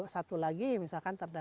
satu lagi misalkan bisa terdana